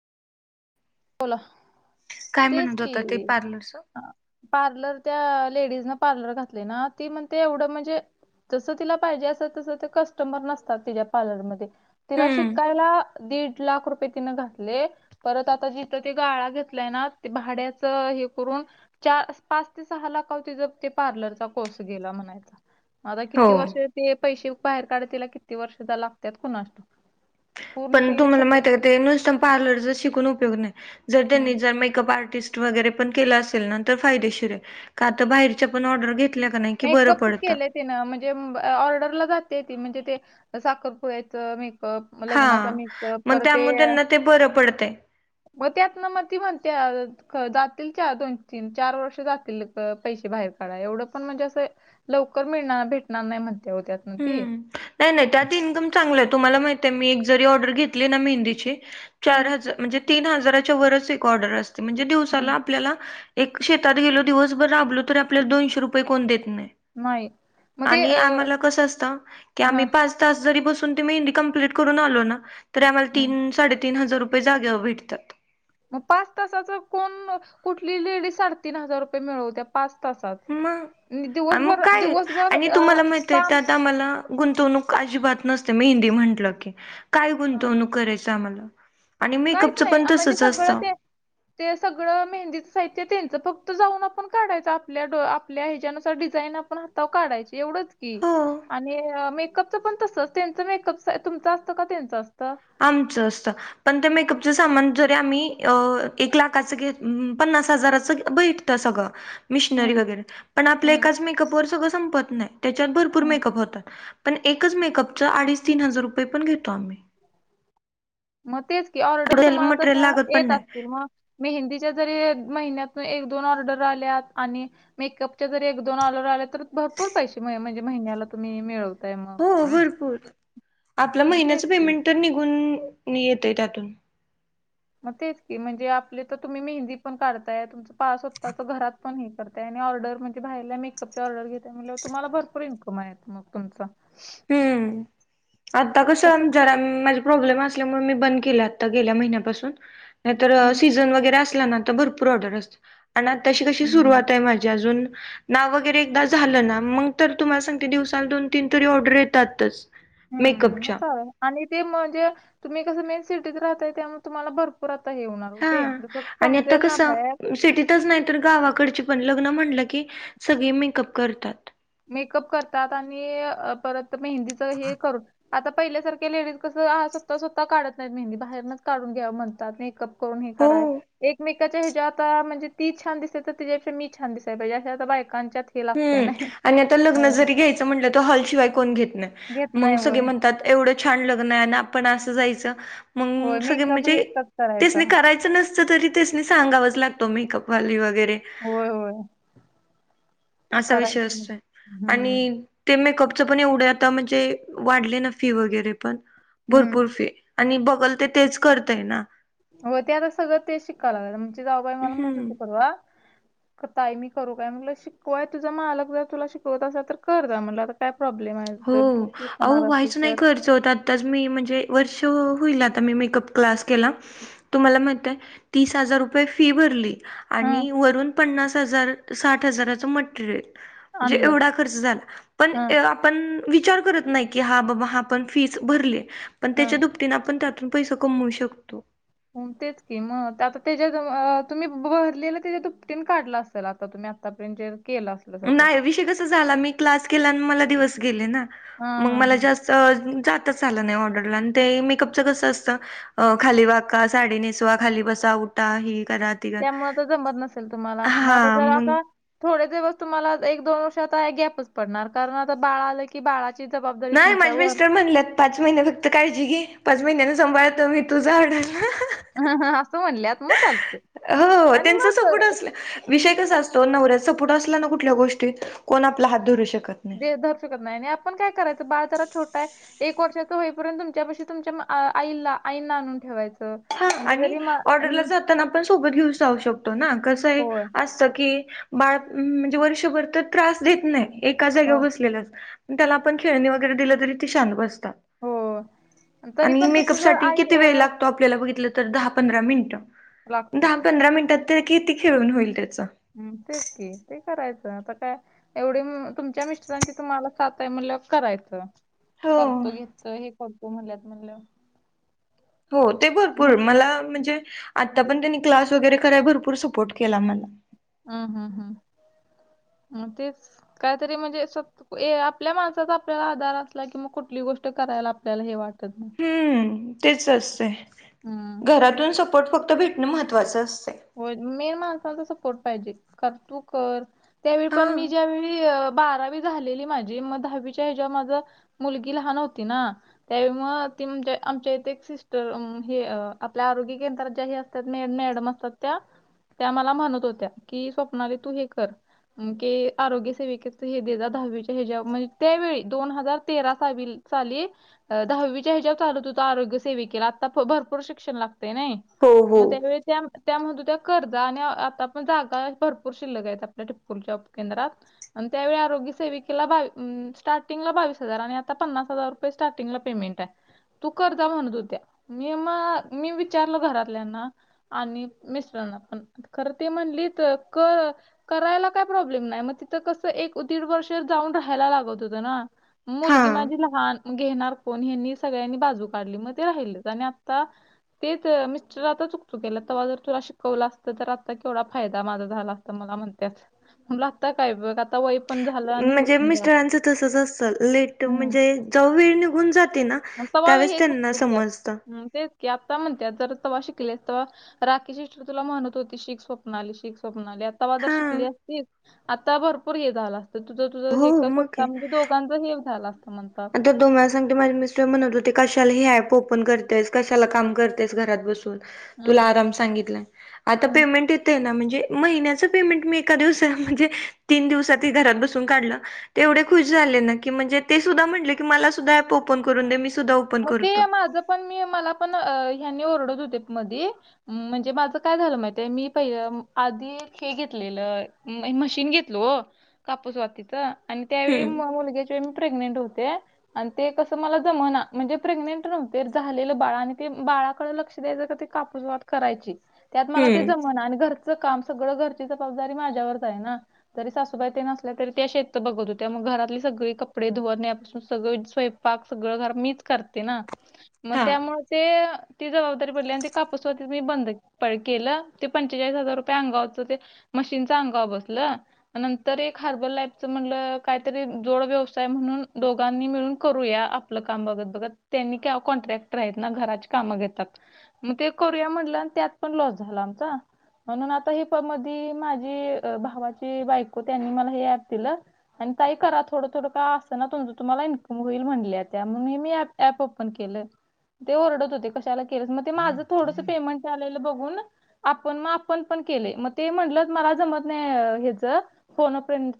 बोला. काय तेच म्हणत की होता ते पार्लरच? पार्लर त्या लेडीज न पार्लर घातलय ना ती म्हणते एवढं म्हणजे जसं तिला पाहिजे असत तसं ते कस्टमर नसतात तिच्या पार्लरमध्ये. तिला हम्म शिकायला दीड लाख रुपये तिने घातले परत आता जी ते गाळा घेतलाय ना ते भाड्याच हे करून चार पाच ते सहा लाखावर तिचा ते पार्लरचा कोर्स गेला म्हणायचा. आता हो किती वर्ष ते पैसे बाहेर काढत तिला किती वर्ष लागत्यात कुणास ठाव? पण तुम्हाला माहित आहे का ते नुसता पार्लरचा शिकून उपयोग नाही जर हम्म त्यांनी जर मेकअप आर्टिस्ट वगैरे पण केला असेल ना तर फायदेशीरय का तर बाहेरच्या पण ऑर्डर घे मेकअपच केलय तीन म्हणजे ऑर्डरला जातेय ती म्हणजे ते साखरपुड्याचे मेकअप मग हा लग्नाचा मेकअप मग परत ते त्यामुळे त्यांना ते बरं पडतंय मग त्यात ना मग ती म्हणत्येया जातील चार दोन, तीन, चार वर्ष जातील पैसे बाहेर काढाय एवढं पण म्हणजे असं लवकर मिळणार भेटणार नाही म्हणते वो त्यात न ती. हम्म नाही नाही त्यात इन्कम चांगलय तुम्हाला माहितय मी एक जरी ऑर्डर घेतली ना मेहंदीची चार हम्म हजार म्हणजे तीन हजाराच्या वरच एक ऑर्डर असते म्हणजे दिवसाला हम्म आपल्याला एक शेतात गेलो, दिवसभर राबलो तरी आपल्याला दोनशे रुपये कोण देत नाही. नाही मग ते आणि अ आम्हाला कसं असत की हा आम्ही पाच तास जरी बसून ती मेहंदी कंप्लीट करून आलो ना तरी आम्हाला हम्म तीन साडेतीन हजार रुपये जाग्या वर भेटतात. मग पाच तासाच कोण, कुठली, लेडी साडेतीन हजार रुपये मिळवत्या? पाच तासात मग आणि दिवसभर, दिवसभर अ काम आता मला गुंतवणूक अजिबात नसते मेंहंदी म्हंटलं की. काय हा. गुंतवणूक करायच आम्हाला आणि काहीच मेकअपचं नाही पण आ, म्हणजे तसंच असतं. [inaudible] ते सगळं मेहंदीच साहित्य त्यांचं फक्त जाऊन आपण काढायचं आपल्या आपल्या ह्याच्यानुसार डिझाईन आपण हा तावर काढायची एवढंच की. हो आणि मेकअपच पण तस त्यांचं मेकअप सा तुमचं असतं का त्यांचं असतं? आमचं असत. पण ते मेकअपच सामान जरी आम्ही एक लाखाच घ पन्नास हजाराचं ब त सगळं मिशनरी हम्म वगैरे पण आपल्या हम्म एकाच मेकअप वर सगळं संपत नाही त्याच्यात भरपूर हम्म मेकअप होतात. पण एकच मेकअपच अडीच तीन हजार रुपये पण घेतो आम्ही. मग तेच की ऑर्डर आपल्याला तुम्हाला मटेरियल तशा लागत पण येत नाही. असतील मग? मेहंदीच्या जरी महिन्यातन एक दोन ऑर्डर आल्या आणि मेकअपच्या जर एक, दोन [inaudible] आलोर आल्या तर भरपूर पैसे म्हणजे महिन्याला तुम्ही मिळवत. हो भरपूर आपलं मग महिन्याच तेच की पेमेंट तर निघून येतय त्यातून. मग तेच की म्हणजे. आपले तर तुम्ही मेहंदी पण काढताय तुमच पा स्वतःच घरात पण हे करता आहेय ऑर्डर म्हणजे बारला मेकअप ऑर्डर घेतता [inaudible] म्ह तुम्हाला भरपूर इनकम आहे मग तुमच हम्म, आता कसं आ तसंच जरा. प्रॉब्लेम असल्यामुळे मी बंद केला आत्ता गेल्या महिन्यापासून नाहीतर हम्म सीजन वैगरे असं. [inaudible] भरपूर ऑर्डर असत त कशी हम्म हम्म सुरवात आहे. माझी अजून. नाव वगैरे एकदा झालं ना मग तर तुम्हाला सांगते दिवसाला दोन, तीन तरी [inaudible] येतातच मेकअप हम्म मग च्या. आणि ते म्हणजे तुम्ही कसं, मेन सिटीत राहताय. त्यामुळे तुम्हाला भरपूर आता हे होणार हा ते फक्त समजेल ना बाहेर. [inaudible] च नाही तर गावाकडची पण लग्न म्हंटलं की, सगळी मेकअप करतात. मेकअप करतात आणि परत मेहंदीच हे करून आता पहिल्यासारख्या लेडीज कसं स्वतः स्वतः काढत नाहीत [inaudible] मेही बाहेरनच काढून घ्याव म्हणतात मेकअप कोण [inaudible] कराय हो. एक मे हच्या आता म्हणजे ती छान दिसय तर त [inaudible] त्याच्याे मी छान दिसायहिजे बायकांच्या लागते हम्म ना आणि आता लग्न जरी घ्यायचं म्हटलं तर हॉलशिवाय कोण घेत नाही घेत मग नाही होय सगळे म्हणतात. एवढं छान लग्न [inaudible] आणि आपण असं जायचं. होय मग सगळे मेकअप म्हणजे हे एकटाच तेच करायचा नाही करायचं नसत तरी तेसनी सांगावच लागतो मेकअपवाली वगैरे होय! होय! असा विषय करायचं नाही. असतोय आणि हम्म ते मेकअपच पण एवढे आता म्हणजे वाढले ना फी वगैरे, पण हम्म भरपूर फी. आणि बघल ते तेच करतय ना हो ते आता सगळं ते शिकायला लाग म्हम जाऊबाई मला म्हणत हम्म होते [inaudible] करूवा [inaudible] ता मी करू काय म्हग शिकूय तुझा मालक जर तुला शिकवत असाल तर कर [inaudible] द म्हटलं आता काय प्रॉब्लेम आहे. हो जर तू [inaudible] अह शिकणार असेल व्हायचं नाही तर खर्चं होत. आताच मी म्हणजे, वर्ष होईल आता मी मेकअप क्लास केला. तुम्हाला माहितय तीस हजार रुपये फी भरली. हं आणि वरून पन्नास हजार, साठ हजाराच मटेरियल. म्हणजे आणलं एवढा खर्च झाला पण हं [inaudible] विचार करत नाही हा पण फीच भरले पण हं त्याच्या [inaudible] आपण त्यातून पैसे कमवू शकतो. हो तेच की मग आता त्याच्या तुम्ही बरलेलं त्याच्या दुपटीने काढला असेल आता तुम्ही आ आपटर घ केला [unintelligible] [inaudible] नाही विषय कस झाला. मी क्लास केला आणि मला दिवस गेले ना, हं मग हं मला हं जास्त जातच आलं नाही ऑर्डरला आणि ते मेकअपच कसं असतं. अ खाली वाका, साडे नेसवा, खाली बसा, उठा ही करा. ते करा त्यामुळ तर जमत नसेल तुम्हाला [inaudible] हा माजजर मग आता थोडे दिवस तुम्हाला एक, दोन वर्ष आता गॅपच पडणार, कारण आता बाळा आलं की बाळा नाही [inaudible] माझ्या मिस्टर म्हणल्यात. पाच महिने फक्त काळजी घे, पाच महिन्याने सांभाळतो मी तुझा ऑर्डरला. ह हा असं म्हणलेत, मग चाल हो त्यांच सपोट असलं. विषय कसा असतो नवऱ्याचां सपोर्ट असला ना कुठल्या गोष्टीत कोण आपला हात धरू शकत नाही दे धर शुकत नाही आणि आपण काय करायचं बाळ जरा छोटा आहे एक वर्षाच होईपर्यंत तुमच्या पाशी तुमच्या आईला आईंना आणून ठेवायच. हा आणि ऑर्डरला जाताना आपण सोबत घेऊन जाऊ शकतो ना कसं आहे होय असत की बाळ म्हणजे वर्षभर तर त्रास देत नाही एका हो जागावर बसलेल अस त्याला आपण खेळणी वगैरे दिलं तरी ती शांत बसतात. हो तरी आणि पण मेकअप तसं जर साठी आई किती वेळ अं, लाग तो आपल्याला बघितलं तर दहा पंधरा मिनिट, लागतात दहा पंधरा मिनिटात तर किती खेळून होईल त्याच? हम तेच की ते करायचं आता काय एवढी तुमच्या मिस्टरांची तुम्हाला सात आहे म्हणल्याव करायचं. हो करतो घेतो, हे करतो म्हणल्यात म्हणलं. हो ते भरपूर मला म्हणजे आता पण त्यांनी क्लास वगैरे कराय भरपूर सपोर्ट केला मला. हम हम हम तेच कायतरी म्हणजे स्व ऐ आपल्या माणसाचा आपल्याला आधार असला की मग कुठली गोष्ट करायला आपल्याला हे वाट हम्म तेच असतेंय हम्म घरातून सपोर्ट फक्त भेटणं महत्त्वाचं असतेय. होय मेन माणसाचा सपोर्ट पाहिजे कर तू कर त्यावेळी हा पण मी ज्यावेळी बारावी झालेली माझी मग दहावीच्या ह्या ज्हा माझ मुलगी लहान होती ना त्यावेळी मग ती म्हणजे आमच्या इथे एक सिस्टर हे आपल्या आरोग्य केंद्रात ज्या हे अस त्यात मॅडम असतात त्या त्या मला म्हणत होत्या की स्वप्नाली तू हे कर की आरोग्य सेविकेच हे देजा दहावीच्या ह्या ज्याव म्हणजे त्यावेळी दोन हजार तेरा साली साली दहावीच्या हेज्याव चालत होत आरोग्य सेविकेला आता भरपूर शिक्षण लागतय नाही. हो हो मग त्यावेळी त्या त्या म्हणत होत्या कर जा आणि आता पण जागा भरपूर शिल्लक आहेत आपल्या टिपपूरच्या उपकेंद्रात. आणि त्यावेळी आरोग्य सेविकेला बा स्टार्टिंगला बावीस हजार आणि आता पन्नास हजार रूपये स्टार्टिंगला पेमेंट आहे. तू कर जा म्हणत होत्या मी मग मी विचारल घरातल्यांना आणि मिस्टरांना पण खरं ते म्हणली तर क करायला काय प्रॉब्लेम नाही मग तिथं कसं एक दीड वर्ष जाऊन राहायला लागत होतं ना हा मुलगी माझी लहान घेणार कोण ह्यानी सगळ्यांनी बाजू काढली मग ते राहिलेच आणि आता तेच मिस्टर आता चुकचुकयालेत तवा जर तुला शिकवलं असत तर आता केवढा फायदा माझा झाला असता मला म्हणत्यात. म्हणला आत्ता काय बघ आता वय पण झालं आणि हे म्हणजे पण झालं मिस्टरांच तसच असतं लेट हम्म म्हणजे जवा वेळ निघून जाते ना आणि तवा त्यावेळेस हे त्यांना चुकचुक्यात समजतं. हम्म, तेच की आता म्हणत्यात जर तवा शिकले तवा राखी शिस्टर तुला म्हणत होती शीक स्वप्नाली शीक स्वप्नाली तवा जर हा शिकली असतीस आता भरपूर हे झालं असत तुझं तुझं हे हो कसं मग काय. आता म्हणजे दोघांच हे झालं असतं म्हणता [unintelligible] सांगते माझी मिस्टर म्हणत होते कशाला हे ॲप ओपन करतेस कशाला काम करतेयस घरात बसून हम्म तुला आराम सांगितला आहे आता हम्म पेमेंट येत ते हाय ना म्हणजे महिन्याच पेमेंट मी एका दिवस म्हणजे तीन दिवसात घरात बसून काढलं ते एवढे खुश झाले ना की म्हणजे ते सुद्धा म्हटले की मला सुद्धा अॅप ओपन करून दे मी सुद्धा ओपन मग ते करतो माझ पण मी मला पण ह्यांनी ओरडत होते मधी म्हणजे माझं काय झालं महितेय मी पहिलं आधी हे घेतलेलं मशीन घेतलो हो कापूसवातीच आणि त्यावेळी हम्म मुलग्याच्या वे मी प्रेग्नेंट होते आणि ते कसं मला जमना म्हणजे प्रेग्नेंट नव्हते झालेलं बाळ आणि ते बाळाकडे लक्ष द्यायचं त ते कापूसवात करायची त्यात मला ते हम्म जमना आणि घरचं काम सगळं घरची जबाबदारी माझ्यावरच आहे ना जरी सासूबाई ते नसल्या तरी त्या शेत बघत होत्या मग घरातली सगळी कपडे धुवनन्या यापासून सगळे स्वय पाक सगळं घर मीच करते ना मग हा त्यामुळे ते ती जबाबदारी पडली आणि ते कापूसवाती मी बंद प केलं ते पंचेचाळीस हजार रुपये अंगावरचं ते मशीनच अंगाव बसलं नंतर एक हार्बर लाईफच म्हणलं काहीतरी जोड व्यवसाय म्हणून दोघांनी मिळून करूया आपलं काम बघत बघत त्यांनी का कॉन्ट्रॅक्टर आहेत. ना घराची कामं घेतात मग ते करूया म्हटलं आणि त्यात पण लॉस झाला आमचा म्हणून आता ह प मधी माझी भावाची बायको त्यांनी मला हे ऍप दिलं आणि ताई करा थोडं थोडं का असं ना तुमं तुम्हाला इनकम होईल म्हणले त्या म्हणून मी अँप ऍप ओपन केलं ते ओरडत होते कशाला केलं मग ते माझं थोडंस पेमेंट आलेलं बघून आपण मग आपण पण केले मग ते म्हटलं मला जमत नाही ह्याच फोन अफ्रेंड